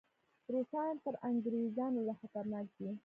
روسان تر انګریزانو لا خطرناک دي.